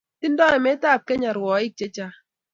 tingdoi emetab kenya rwoik che chang'